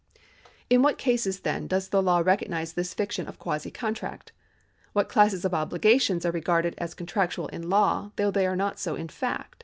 In what cases, then, does the law recognise this fiction of quasi contract ? What classes of obligations are regarded as contractual in law, though they are not so in fact